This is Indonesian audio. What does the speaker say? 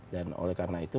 dan oleh karena itu